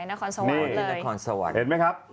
เห็นไหมครับ